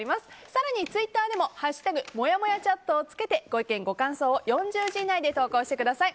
更に、ツイッターでも「＃もやもやチャット」をつけてご意見、ご感想を４０字以内で投稿してください。